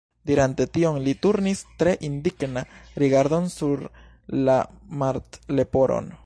Dirante tion li turnis tre indignan rigardon sur la Martleporon.